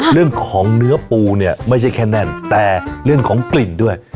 เรื่องของเนื้อปูเนี่ยไม่ใช่แค่แน่นแต่เรื่องของกลิ่นด้วย